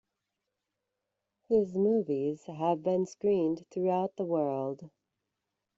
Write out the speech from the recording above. His movies have been screened throughout the world.